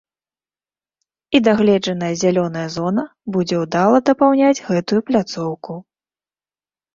І дагледжаная зялёная зона будзе ўдала дапаўняць гэтую пляцоўку.